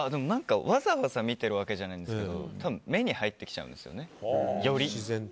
わざわざ見てるわけじゃないんですけど目に入ってきちゃうんですよねより。